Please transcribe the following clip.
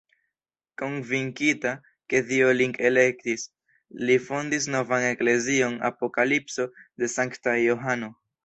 Konvinkita, ke Dio lin elektis, li fondis novan eklezion Apokalipso de sankta Johano.